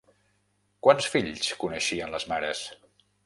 Quants fills coneixien les mares?